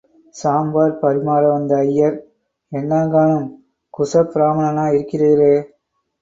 சாம்பார் பரிமாற வந்த ஐயர்— என்னாங்காணும், குசப்பிராமணனா யிருக்கிறீரே.